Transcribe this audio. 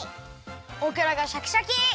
オクラがシャキシャキ！